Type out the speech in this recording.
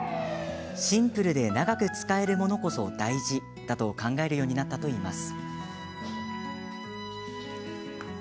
シンプルで長く使えるものこそ大事だと考えるようになったといいます。